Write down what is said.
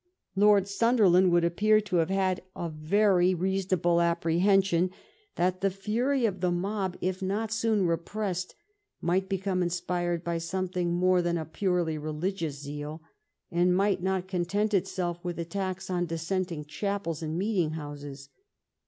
Lord Sunderland would appear to have had a very 301 THE REION OF QUEEN ANNE reasonable apprehension that the fury of the mob, if not soon repressed, might become inspired by some thing more than a purely religious zeal, and might not content itself with attacks on dissenting chapels ■ and meeting houses.